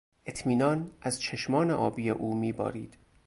اطمینان از چشمان آبی او میبارید.